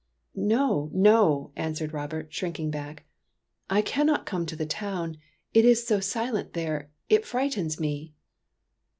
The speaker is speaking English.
" No, no," answered Robert, shrinking back. " I cannot come to the town ; it is so silent there, it frightens me."